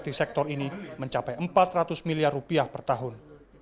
di sektor ini mencapai empat ratus miliar rupiah per tahun